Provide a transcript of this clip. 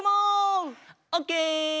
オッケー！